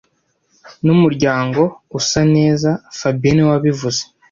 Numuryango usa neza fabien niwe wabivuze